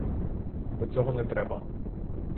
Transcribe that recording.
Бо цього не треба.